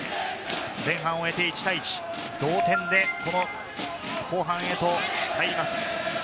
前半を終えて１対１、同点で後半へと入ります。